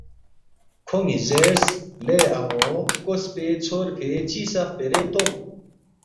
کھون٘ی زیرس، ”لے ان٘و کوسفے ژھورفے چی سہ خپیرے تونگ